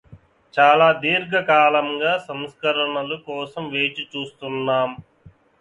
చాలా దీర్ఘకాలంగా సంస్కరణల కోసం వేచి చూస్తున్నాం